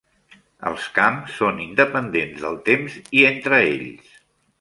Els camps són independents del temps i entre ells.